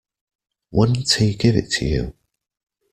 Wouldn't he give it to you?